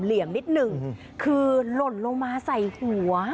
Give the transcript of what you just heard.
เหลี่ยงนิดหนึ่งคือหล่นลงมาใส่หัว